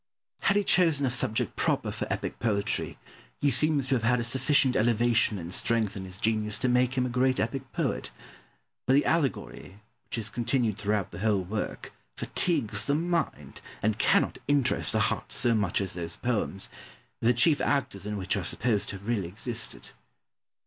Had he chosen a subject proper for epic poetry, he seems to have had a sufficient elevation and strength in his genius to make him a great epic poet: but the allegory, which is continued throughout the whole work, fatigues the mind, and cannot interest the heart so much as those poems, the chief actors in which are supposed to have really existed.